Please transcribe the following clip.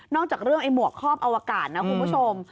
นอกจากเรื่องหมวกคอบอวกาศนะคุณผู้ชม